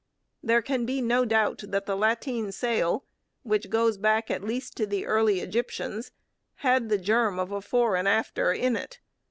There can be no doubt that the lateen sail, which goes back at least to the early Egyptians, had the germ of a fore and after in it.